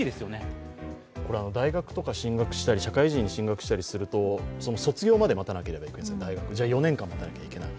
大学とか進学したり社会人で進学したりすると卒業まで待たなければいけない、４年待たなければいけない。